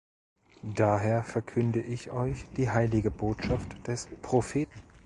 Daher verkünde ich euch die heilige Botschaft des Propheten.